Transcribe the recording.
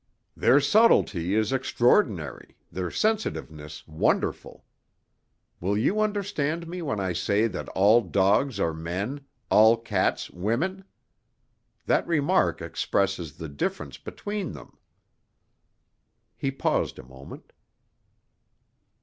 Their subtlety is extraordinary, their sensitiveness wonderful. Will you understand me when I say that all dogs are men, all cats women? That remark expresses the difference between them." He paused a moment.